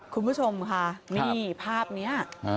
คุณผู้ชมค่ะนี่ภาพนี้